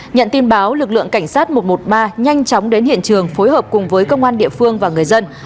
nhận tin báo lực lượng cảnh sát một trăm một mươi ba nhanh chóng đến hiện trường phối hợp cùng với công an địa phương và người dân